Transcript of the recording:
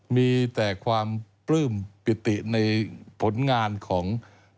มีแต่ความปลื้มปิติในผลงานของ